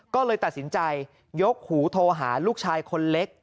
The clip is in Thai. ก็เลยตัดสินใจยกหูโทรหาลูกชายคนเล็ก